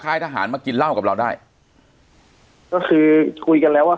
ทหารมากินเหล้ากับเราได้ก็คือคุยกันแล้วว่า